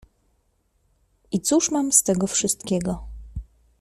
"I cóż mam z tego wszystkiego?"